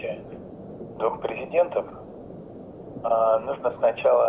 maksudnya harus menetapkan kesempatan untuk berbicara